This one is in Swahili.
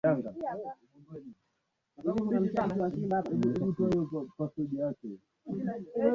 miaka ya elfu moja mia tisa sitini kutokana na juhudi ya wasanii kama vile